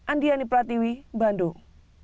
andiani pratiwi bandung